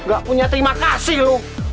gak punya terima kasih loh